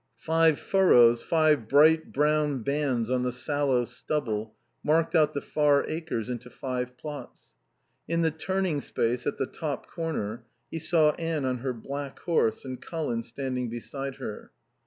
Five furrows, five bright brown bands on the sallow stubble, marked out the Far Acres into five plots. In the turning space at the top corner he saw Anne on her black horse and Colin standing beside her.